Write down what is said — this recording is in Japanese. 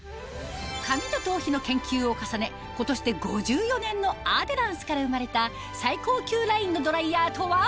髪と頭皮の研究を重ね今年で５４年のアデランスから生まれた最高級ラインのドライヤーとは？